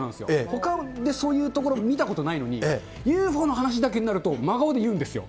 ほかでそういうところ見たことないのに、ＵＦＯの話だけになると真顔で言うんですよ。